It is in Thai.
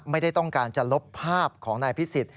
ไม่ได้ต้องการจะลบภาพของนายพิสิทธิ